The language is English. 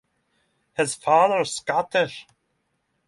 His father is Scottish.